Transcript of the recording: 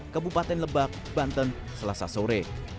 ke bupaten lebak banten selasa sore